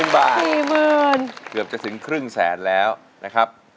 ๔๐๐๐๐บาทเกือบจะถึงครึ่งแสนแล้วนะครับ